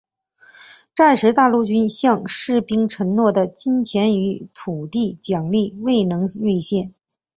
战时大陆军向士兵承诺的金钱与土地奖励未能兑现。